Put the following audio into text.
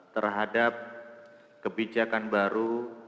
terhadap kebijakan baru